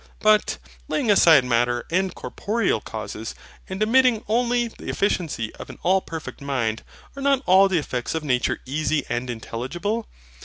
But, laying aside Matter and corporeal, causes, and admitting only the efficiency of an All perfect Mind, are not all the effects of nature easy and intelligible?